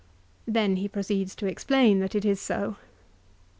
Then he proceeds to explain that it is so.